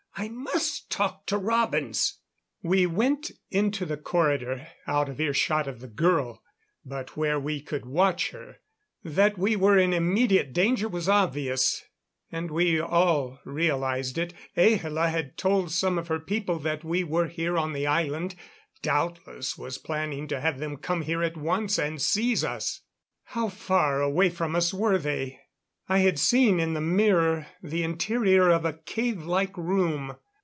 I must talk to Robins " We went into the corridor, out of earshot of the girl, but where we could watch her. That we were in immediate danger was obvious, and we all realized it. Ahla had told some of her people that we were here on the island; doubtless was planning to have them come here at once and seize us. How far away from us were they? I had seen in the mirror the interior of a cave like room.